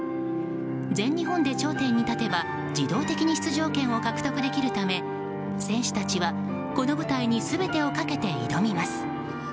全日本で頂点に立てば自動的に出場権を獲得できるため選手たちはこの舞台に全てをかけて挑みます。